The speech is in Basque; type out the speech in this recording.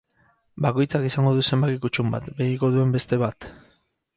Bakoitzak izango du zenbaki kuttun bat, begiko duen beste bat.